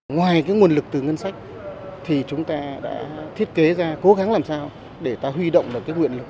ngoài cái nguồn lực từ ngân sách thì chúng ta đã thiết kế ra cố gắng làm sao để ta huy động được cái nguyện lực